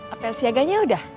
apel siaganya udah